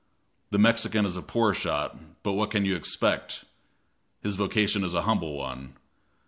The Mexican is a poor shot, but what can you expect? His vocation is a humble one.